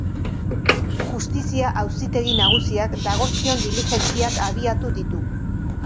Justizia Auzitegi Nagusiak dagozkion diligentziak abiatu ditu.